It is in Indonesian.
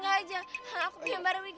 aduh nupas sakit